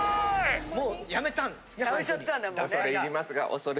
もうやめたんですね。